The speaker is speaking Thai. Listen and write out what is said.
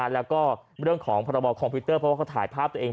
แล้วก็เรื่องของพรบคอมพิวเตอร์เพราะว่าเขาถ่ายภาพตัวเอง